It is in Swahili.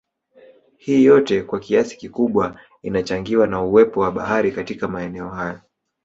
Hii yote kwa kiasi kikubwa inachangiwa na uwepo wa Bahari katika maeneo hayo